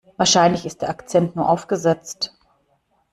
Wahrscheinlich ist der Akzent nur aufgesetzt.